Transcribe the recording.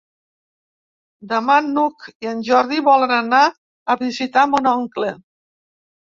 Demà n'Hug i en Jordi volen anar a visitar mon oncle.